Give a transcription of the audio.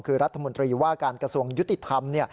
คือรัฐมนตรีว่าการกระทรวงยุติธรรม